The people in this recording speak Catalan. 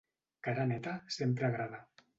Cara neta sempre agrada.